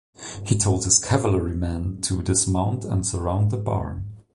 He told his cavalrymen to dismount and surround the barn.